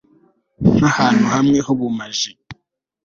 nk'ahantu hawe h'ubumaji